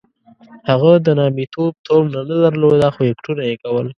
هغه د نامیتوب تومنه نه درلوده خو اکټونه یې کول.